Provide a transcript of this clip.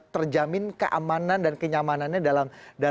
terjamin keamanan dan kenyamanannya dalam